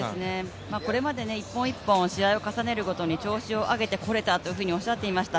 これまで一本一本試合を重ねるごとに調子を上げることができたとおっしゃっていました。